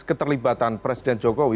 keterlibatan presiden jokowi